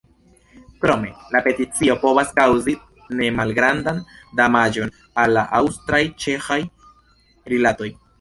Krome la peticio povas kaŭzi nemalgrandan damaĝon al la aŭstraj-ĉeĥaj rilatoj.